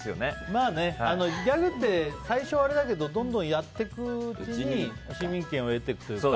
まあね、ギャグって最初はあれだけどどんどんやっていくうちに市民権を得ていくというか。